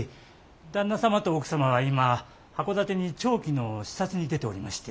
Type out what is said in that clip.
旦那様と奥様は今函館に長期の視察に出ておりまして。